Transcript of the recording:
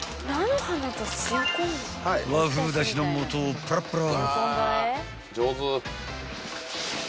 ［和風だしの素をパラパラ］